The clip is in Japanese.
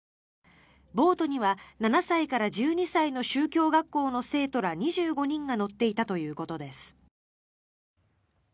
ボートには７歳から１２歳の宗教学校の生徒ら２５人が乗っていたということです。